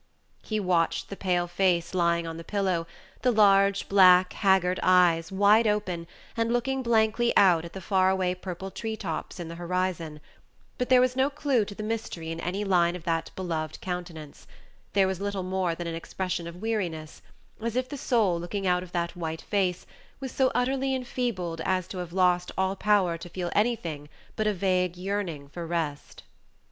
He watched the pale face lying on the pillow; the large, black, haggard eyes, wide open, and looking blankly out at the faraway purple tree tops in the horizon; but there was no clew to the mystery in any line of that beloved countenance; there was little more than an expression of weariness, as if the soul, looking out of that white face, was so utterly enfeebled as to have lost all power to feel anything but a vague yearning for rest.